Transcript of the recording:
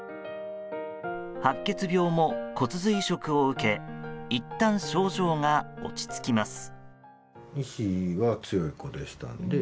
白血病も骨髄移植を受けいったん症状が落ち着きます。